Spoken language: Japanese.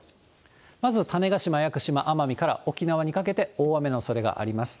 まず種子島、屋久島、奄美から沖縄にかけて、大雨のおそれがあります。